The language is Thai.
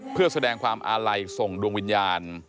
เพื่อแสดงความอาลัยส่งดวงวิญญาณ